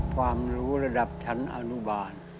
ความรู้ระดับชั้นอนุบาล